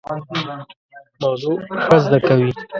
موضوع ښه زده کوي.